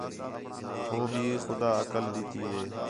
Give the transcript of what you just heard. ہُوں بھی خُدا عقل ݙِتّی ہِے